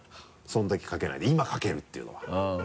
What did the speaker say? そのときかけないで今かけるっていうのは。